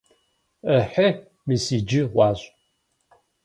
Ыхьы, мис иджы хъуащ!